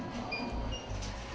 tidak ada yang menyebutkan